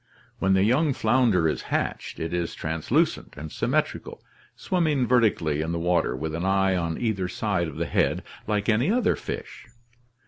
When the young founder is hatched, it is translucent and symmetrical, swimming vertically in the water with an eye on either side of the head like any other fish.